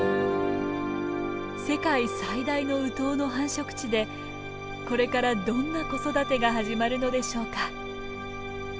世界最大のウトウの繁殖地でこれからどんな子育てが始まるのでしょうか。